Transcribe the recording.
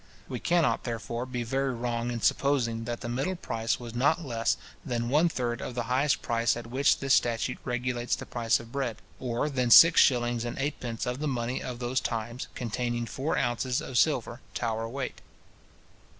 We cannot, therefore, be very wrong in supposing that the middle price was not less than one third of the highest price at which this statute regulates the price of bread, or than six shillings and eightpence of the money of those times, containing four ounces of silver, Tower weight.